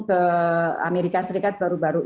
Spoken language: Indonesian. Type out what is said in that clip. ke amerika serikat baru baru